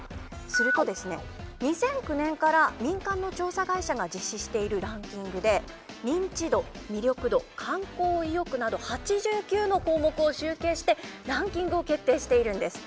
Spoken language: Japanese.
するとですね２００９年から民間の調査会社が実施しているランキングで認知度魅力度観光意欲など８９の項目を集計してランキングを決定しているんです。